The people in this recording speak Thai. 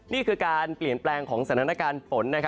นี่คือการเปลี่ยนแปลงของสถานการณ์ฝน